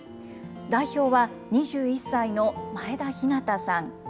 代表は２１歳の前田陽汰さん。